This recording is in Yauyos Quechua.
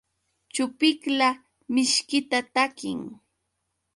Chupiqla mishkita takin.